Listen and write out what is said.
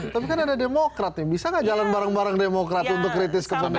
tapi kan ada demokrat nih bisa nggak jalan bareng bareng demokrat untuk kritis ke pemilu